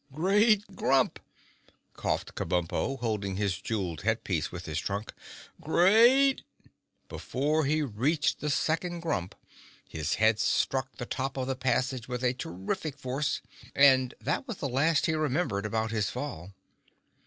"Great Grump!" coughed Kabumpo, holding his jeweled headpiece with his trunk. "Great—" Before he reached the second grump, his head struck the top of the passage with terrific force, and that was the last he remembered about his fall.